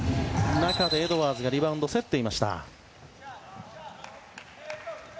中でエドワーズがリバウンドを競っていました。